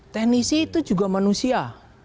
teknisi itu juga manusia